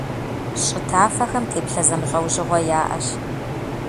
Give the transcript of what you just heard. ЩӀы тафэхэм теплъэ зэмылӀэужьыгъуэ яӀэщ.